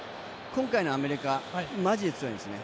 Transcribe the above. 今回のアメリカマジで強いんですね？